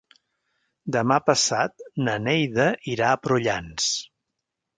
Demà passat na Neida irà a Prullans.